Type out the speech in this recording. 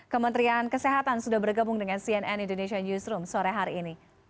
kementerian kesehatan sudah bergabung dengan cnn indonesia newsroom sore hari ini